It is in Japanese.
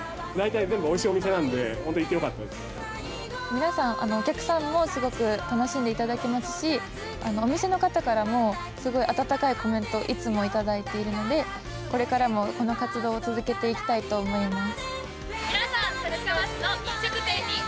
皆さん、お客さんもすごく楽しんでいただけますしお店の方からも温かいコメントをいつもいただいているのでこれからもこの活動を続けていきたいと思います。